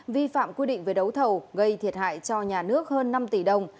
vi phạm quy định về đấu thầu gây thiệt hại cho nhà nước hơn năm tỷ đồng